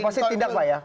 dan pasti tidak pak ya